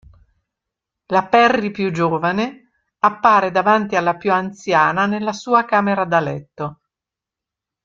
La Perry più giovane appare davanti alla più anziana nella sua camera da letto.